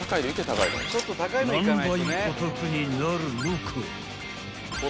［何倍お得になるのか？］